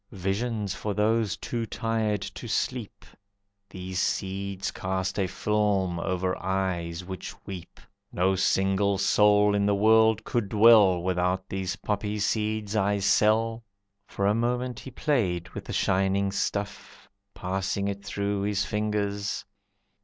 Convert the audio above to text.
"Visions for those too tired to sleep. These seeds cast a film over eyes which weep. No single soul in the world could dwell, Without these poppy seeds I sell." For a moment he played with the shining stuff, Passing it through his fingers.